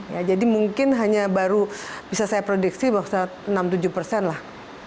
ya jadi mungkin hanya baru bisa saya prediksi bahwa enam puluh tujuh persen lah